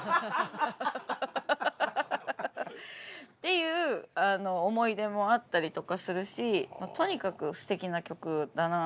いう思い出もあったりとかするしとにかくすてきな曲だなって。